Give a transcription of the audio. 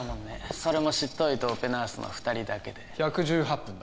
それも執刀医とオペナースの二人だけで１１８分だ